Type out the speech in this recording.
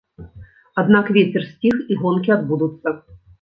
Аднак вецер сціх і гонкі адбудуцца.